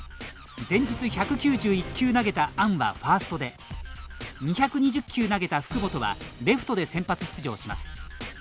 前日１９１球投げたアンはファーストで２２０球投げた福本はレフトで先発出場します。